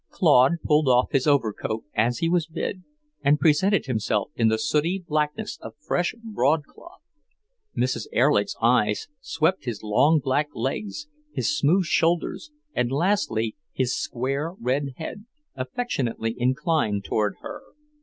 Claude pulled off his overcoat as he was bid, and presented himself in the sooty blackness of fresh broadcloth. Mrs. Erlich's eyes swept his long black legs, his smooth shoulders, and lastly his square red head, affectionately inclined toward her.